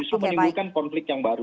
justru menimbulkan konflik yang baru